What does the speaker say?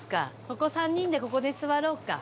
ここ３人でここで座ろうか。